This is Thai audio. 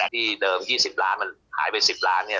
ที่เดิม๒๐ล้านมันหายไป๑๐ล้านเนี่ย